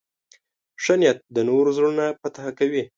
ښه نیت د نورو زړونه فتح کوي.